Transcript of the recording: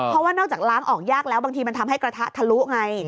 เพราะว่านอกจากล้างออกยากแล้วบางทีมันทำให้กระทะทะลุไง